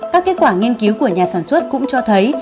các kết quả nghiên cứu của nhà sản xuất cũng cho thấy